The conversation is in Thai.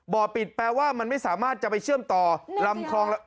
ปิดแปลว่ามันไม่สามารถจะไปเชื่อมต่อลำคลอง